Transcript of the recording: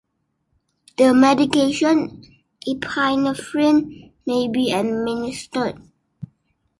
The medication epinephrine may be administered.